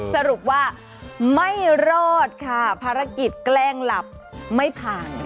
สรุปว่าไม่รอดค่ะภารกิจแกล้งหลับไม่ผ่าน